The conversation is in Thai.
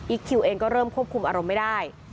คิวเองก็เริ่มควบคุมอารมณ์ไม่ได้